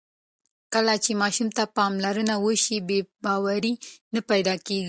کله چې ماشوم ته پاملرنه وشي، بې باوري نه پیدا کېږي.